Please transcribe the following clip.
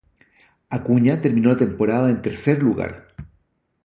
Acuña terminó la temporada en tercer lugar.